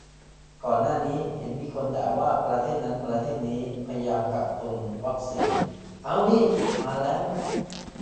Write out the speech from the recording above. ก่อนหน้านี้เห็นมีคนด่าว่าประเทศนั้นประเทศนี้พยายามกักตุนวัคซีน เอ้า นี่ มาแล้ว